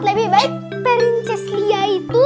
lebih baik princess lia itu